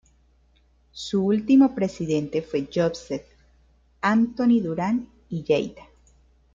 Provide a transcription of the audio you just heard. Su último presidente fue Josep Antoni Duran i Lleida.